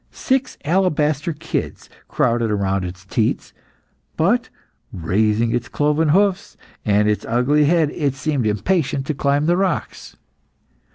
Six alabaster kids crowded round its teats; but, raising its cloven hoofs and its ugly head, it seemed impatient to climb the rocks.